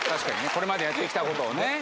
これまでやってきたことをね。